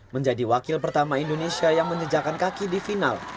menjadi wakil pertama indonesia yang menjejakan kaki di final